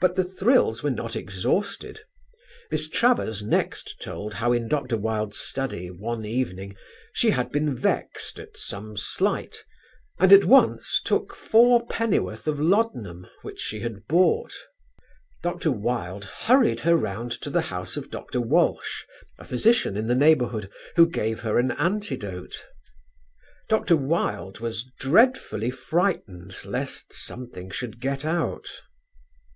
But the thrills were not exhausted. Miss Travers next told how in Dr. Wilde's study one evening she had been vexed at some slight, and at once took four pennyworth of laudanum which she had bought. Dr. Wilde hurried her round to the house of Dr. Walsh, a physician in the neighbourhood, who gave her an antidote. Dr. Wilde was dreadfully frightened lest something should get out....